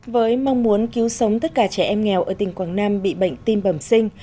với mong muốn cứu sống tất cả trẻ em nghèo ở tỉnh quảng nam bị bệnh tim bẩm sinh